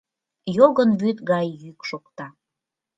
Йогын вӱд гай йӱк шокта